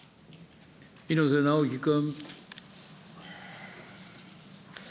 猪瀬直樹君。